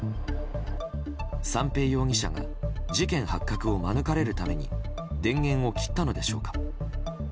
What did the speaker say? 三瓶容疑者が事件発覚を免れるために電源を切ったのでしょうか。